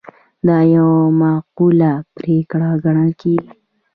دا یوه معقوله پرېکړه ګڼل کیږي.